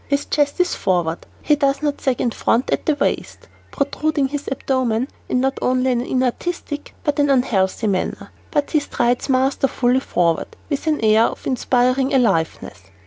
His chest is forward. He does not sag in front at the waist, protruding his abdomen in not only an inartistic, but an unhealthy manner; but he strides masterfully forward with an air of inspiriting "aliveness."